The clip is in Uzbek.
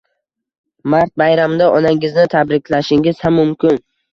Mart bayramida onangizni tabriklashingiz ham mumkin.